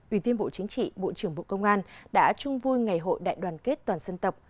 ủy viên bộ chính trị bộ trưởng bộ công an đã chung vui ngày hội đại đoàn kết toàn dân tộc